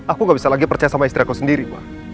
aku gak bisa lagi percaya sama istri aku sendiri